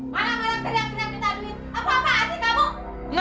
malem malem teriak teriak minta duit apa apa asik kamu